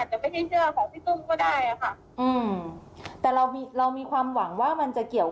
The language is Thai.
ได้เลยแต่ว่าอยากให้เจอรถมากกว่าค่ะตอนนี้เราเราเราข้ามหวังอย่างเดียว